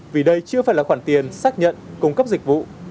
vì đây chưa phải là khoản tiền xác nhận cung cấp dịch vụ